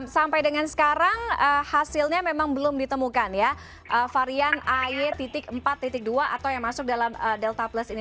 sampai dengan sekarang hasilnya memang belum ditemukan ya varian ay empat dua atau yang masuk dalam delta plus ini